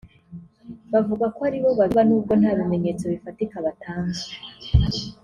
bavuga ko ari bo babiba n’ubwo nta bimenyetso bifatika batanga